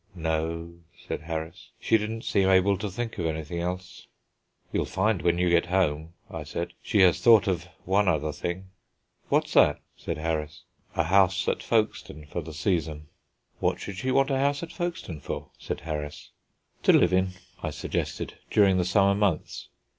"No," said Harris; "she didn't seem able to think of anything else." "You'll find when you get home," I said, "she has thought of one other thing." "What's that?" said Harris. "A house at Folkestone for the season." "What should she want a house at Folkestone for?" said Harris. "To live in," I suggested, "during the summer months."